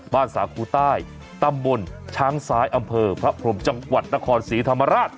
สาคูใต้ตำบลช้างซ้ายอำเภอพระพรมจังหวัดนครศรีธรรมราช